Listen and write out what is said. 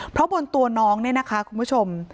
เพราะบนตัวน้องเนี่ยนะคะคุณผู้ชม